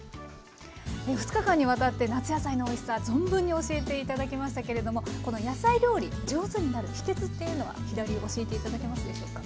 ２日間にわたって夏野菜のおいしさ存分に教えていただきましたけれどもこの野菜料理上手になる秘けつっていうのは飛田流教えていただけますでしょうか。